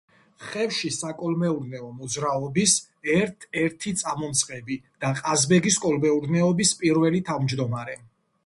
ხევში საკოლმეურნეო მოძრაობის ერთ-ერთი წამომწყები და ყაზბეგის კოლმეურნეობის პირველი თავმჯდომარე.